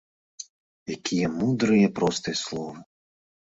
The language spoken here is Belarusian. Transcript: Якія мудрыя і простыя словы!